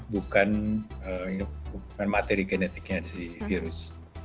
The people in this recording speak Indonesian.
bukan materi genetiknya si virus